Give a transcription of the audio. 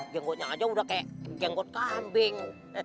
jenggotnya aja udah kayak jenggot kambing